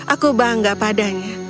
aku bangga padanya